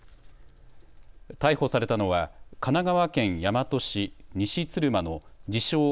逮捕されたのは神奈川県大和市西鶴間の自称